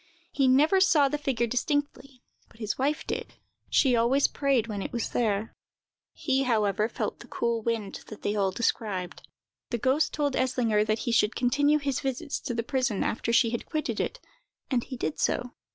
He never saw the figure distinctly, but his wife did: she always prayed when it was there. He, however, felt the cool wind that they all described. The ghost told Eslinger that he should continue his visits to the prison after she had quitted it, and he did so.